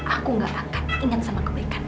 aku gak akan ingat sama kebaikan